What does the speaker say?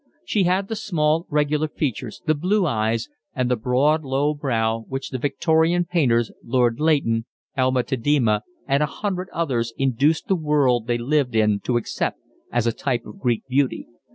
She had the small regular features, the blue eyes, and the broad low brow, which the Victorian painters, Lord Leighton, Alma Tadema, and a hundred others, induced the world they lived in to accept as a type of Greek beauty.